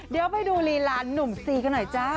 เดี๋ยวไปดูลีลานุ่มซีกันหน่อยจ้า